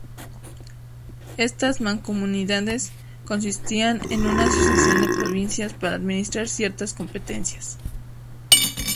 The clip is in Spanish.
Estas mancomunidades consistían en una asociación de provincias para administrar ciertas competencias.